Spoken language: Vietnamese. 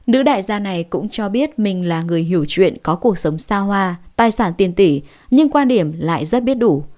nữ đại gia này cũng cho biết mình là người hiểu chuyện có cuộc sống xa hoa tài sản tiền tỷ nhưng quan điểm lại rất biết đủ